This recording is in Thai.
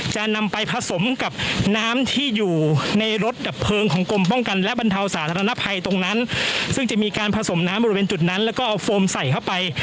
จะนำไปผสมกับน้ำที่อยู่ในรถดับเพลิงของกรมป้องกันและบรรเทาสาธารณภัยตรงนั้นซึ่งจะมีการผสมน้ำบริเวณจุดนั้นแล้วก็เอาโฟมใส่เข้าไป